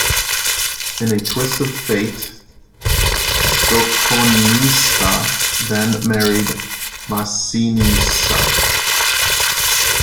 In a twist of fate, Sophonisba then married Masinissa.